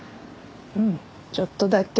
うんちょっとだけ。